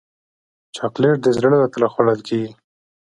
چاکلېټ د زړه له تله خوړل کېږي.